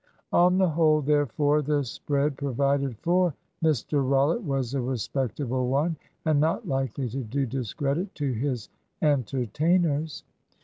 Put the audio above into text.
On the whole, therefore, the spread provided for Mr Rollitt was a respectable one, and not likely to do discredit to his entertainers.